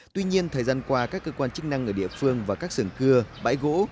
tuy nhiên thời gian qua các cơ quan chức năng ở địa phương và các sưởng cưa bãi gỗ